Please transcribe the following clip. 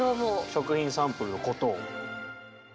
食品サンプルのことを。